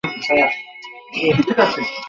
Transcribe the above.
আলীনগর উন্নয়নে তার অনেক ভুমিকা ছিল।